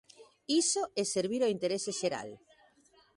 Iso é servir ao interese xeral.